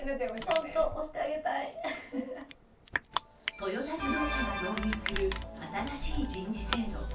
トヨタ自動車が導入する新しい人事制度。